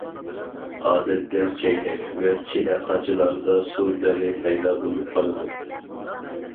ئادەتتە چەينەك ۋە چىنە- قاچىلاردا سۇ دېغى پەيدا بولۇپ قالىدۇ.